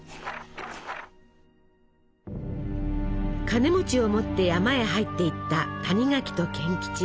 カネを持って山へ入っていった谷垣と賢吉。